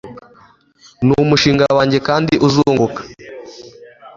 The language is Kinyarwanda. numushinga wanjye kandi uzunguka